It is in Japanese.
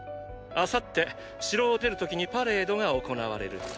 明後日城を出る時にパレードが行われる。